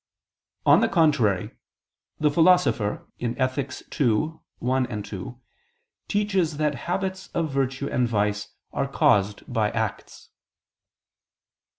On the contrary, The Philosopher (Ethic. ii, 1, 2) teaches that habits of virtue and vice are caused by acts.